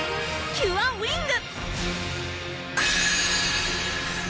キュアウィング